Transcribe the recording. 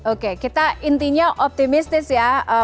oke kita intinya optimistis ya memasuki era baru indonesia